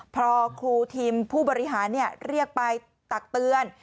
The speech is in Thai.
พอครูทีมผู้บริหารเรียกไปตักเตือน